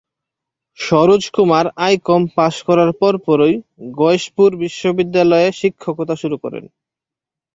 Saroj Kumar I Com pass করার পর পরই গয়েশপুর বিদ্যালয়ে শিক্ষকতা শুরু করেন।